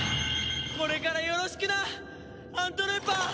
これからよろしくなアントルーパー！